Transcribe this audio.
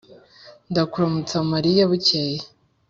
“ndakuramutsa mariya“ bukeye...